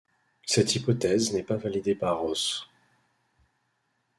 Cette hypothèse n'est pas validée par Ross.